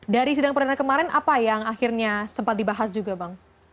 dari sidang perdana kemarin apa yang akhirnya sempat dibahas juga bang